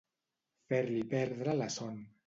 Fer-li perdre la son.